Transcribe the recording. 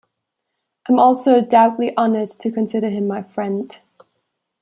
I am also doubly honored to consider him my friend.